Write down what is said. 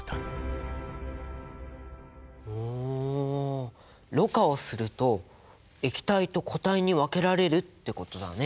ほうろ過をすると液体と固体に分けられるってことだね。